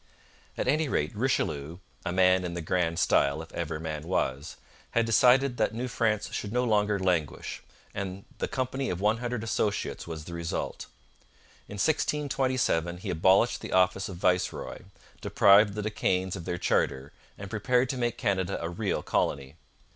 At any rate Richelieu, 'a man in the grand style, if ever man was,' had decided that New France should no longer languish, and the Company of One Hundred Associates was the result. In 1627 he abolished the office of viceroy, deprived the De Caens of their charter, and prepared to make Canada a real colony.